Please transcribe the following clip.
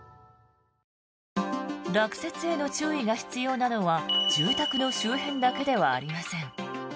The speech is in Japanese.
落雪への注意が必要なのは住宅の周辺だけではありません。